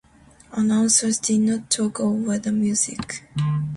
Announcers did not talk over the music.